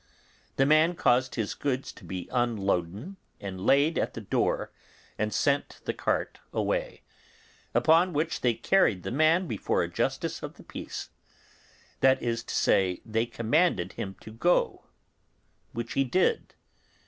The man caused the goods to be unloaden and laid at the door, and sent the cart away; upon which they carried the man before a justice of peace; that is to say, they commanded him to go, which he did.